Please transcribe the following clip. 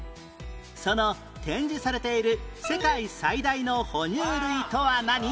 その展示されている世界最大のほ乳類とは何？